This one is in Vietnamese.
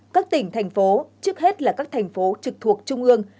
các tỉnh thành phố trước hết là các thành phố trực thuộc trung ương